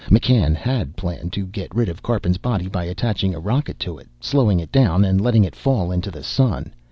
McCann had planned to get rid of Karpin's body by attaching a rocket to it, slowing it down, and letting it fall into the sun.